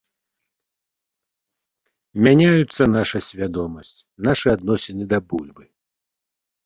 Мяняюцца наша свядомасць, нашы адносіны да бульбы.